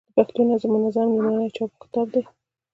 د پښتو منظم لومړنی چاپي کتاب دﺉ.